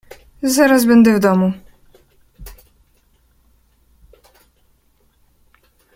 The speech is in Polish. Zaraz będę w domu!